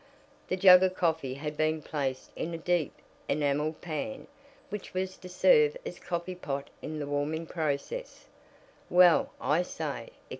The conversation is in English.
The jug of coffee had been placed in a deep, enameled pan, which was to serve as coffee pot in the warming process. "Well, I say!"